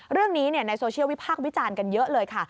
ในโซเชียลวิพากษ์วิจารณ์กันเยอะเลยค่ะ